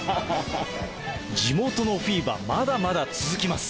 地元のフィーバー、まだまだ続きます。